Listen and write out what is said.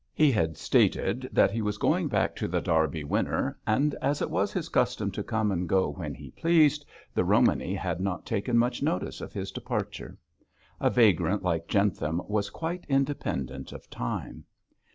He had stated that he was going back to The Derby Winner, and as it was his custom to come and go when he pleased, the Romany had not taken much notice of his departure. A vagrant like Jentham was quite independent of time.